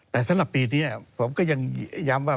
แต่สำหรับปีนี้ผมก็ยังย้ำว่า